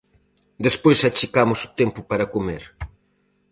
Despois achicamos o tempo para comer.